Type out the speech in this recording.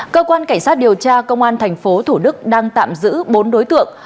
cơ quan cảnh sát điều tra công an tp thủ đức đang tạm giữ bốn đối tượng